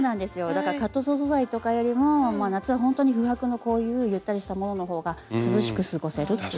だからカットソー素材とかよりも夏はほんとに布帛のこういうゆったりしたものの方が涼しく過ごせるっていう。